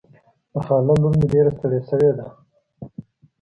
د خاله لور مې ډېره ستړې شوې ده.